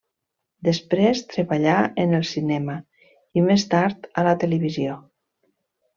Després treballà en el cinema i més tard a la televisió.